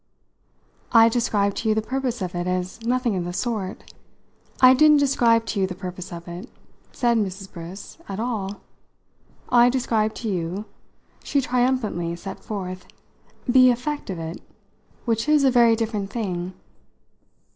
"I described to you the purpose of it as nothing of the sort. I didn't describe to you the purpose of it," said Mrs. Briss, "at all. I described to you," she triumphantly set forth, "the effect of it which is a very different thing."